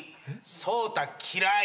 草太嫌い。